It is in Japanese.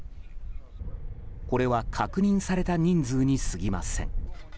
これは、確認された人数にすぎません。